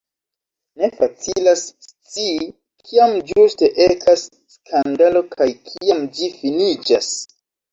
Ne facilas scii, kiam ĝuste ekas skandalo, kaj kiam ĝi finiĝas.